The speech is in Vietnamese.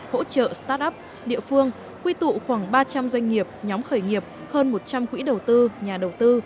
hỗ trợ start up địa phương quy tụ khoảng ba trăm linh doanh nghiệp nhóm khởi nghiệp hơn một trăm linh quỹ đầu tư nhà đầu tư